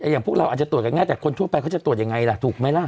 อย่างพวกเราอาจจะตรวจกันง่ายแต่คนทั่วไปเขาจะตรวจยังไงล่ะถูกไหมล่ะ